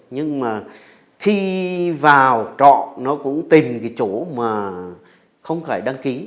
nhưng mà khi vào trọ nó cũng tìm cái chỗ mà không phải đăng ký